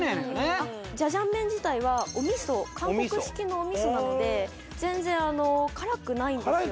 あっジャジャン麺自体はお味噌韓国式のお味噌なので全然辛くないんですよ